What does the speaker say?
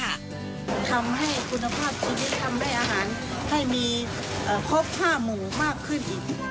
ทำให้คุณภาพชีวิตทำได้อาหารให้มีครบ๕หมู่มากขึ้นอีก